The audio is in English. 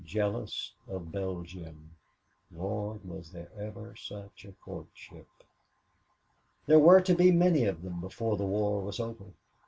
"Jealous of Belgium! Lord, was there ever such a courtship!" There were to be many of them before the war was over.